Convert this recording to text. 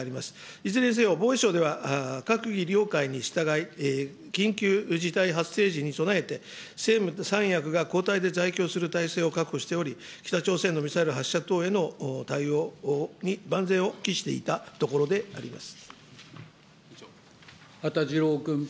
いずれにせよ防衛省では閣議了解に従い、緊急事態発生時に備えて、政務３役が交代で在京する体制を確保しており、北朝鮮のミサイル発射等への対応に万全を期していたところであり羽田次郎君。